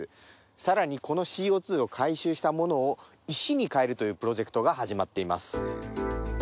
さらにこのＣＯ２を回収したものを石に変えるというプロジェクトが始まっています。